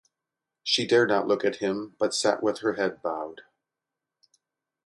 She dared not look at him, but sat with her head bowed.